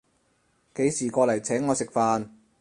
幾時過來請我食飯